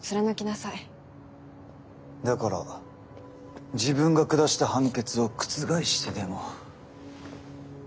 だから自分が下した判決を覆してでも。